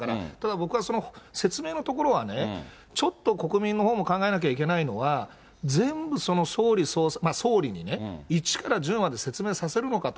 僕は説明のところはね、ちょっと国民のほうも考えなきゃいけないのは、全部、総理に１から１０まで説明させるのかと。